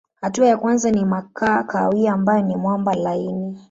Hatua ya kwanza ni makaa kahawia ambayo ni mwamba laini.